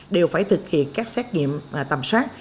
đều phải thực hiện các xét nghiệm tầm soát